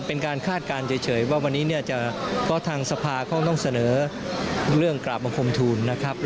ออกไปก่อนนะคะ